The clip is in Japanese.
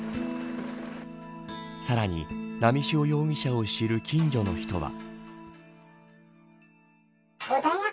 さらに波汐容疑者を知る近所の人は。